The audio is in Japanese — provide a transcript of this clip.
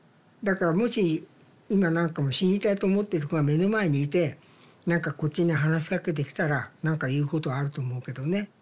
だからもし今何か死にたいと思ってる子が目の前にいて何かこっちに話しかけてきたら何か言うことはあると思うけどね。